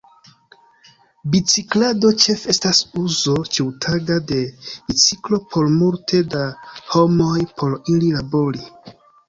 Biciklado ĉefe estas uzo ĉiutaga de biciklo por multe da homoj, por iri labori.